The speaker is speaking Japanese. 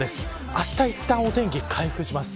あしたいったんお天気回復します。